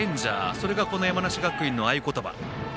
それが山梨学院の合言葉。